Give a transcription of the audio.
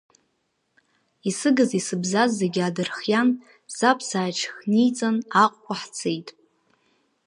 Исыгыз-исыбзаз зегьы аадырхиан, саб сааиҽхьниҵан, Аҟәаҟа ҳцеит.